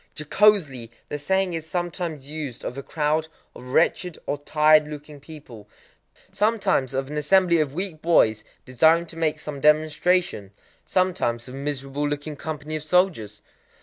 Jocosely the saying is sometimes used of a crowd of wretched or tired looking people,—sometimes of an assembly of weak boys desiring to make some demonstration,—sometimes of a miserable looking company of soldiers.